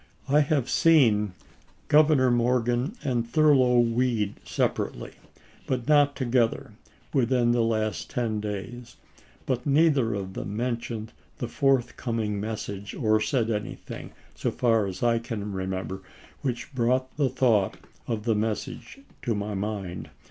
I have seen," he said, "Governor Morgan and Thurlow Weed separately, but not together, within the last ten days ; but neither of them mentioned the forth coming message or said anything, so far as I can remember, which brought the thought of the mes sage to my mind.